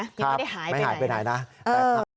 ยังไม่ได้หายไปไหนนะแต่อืม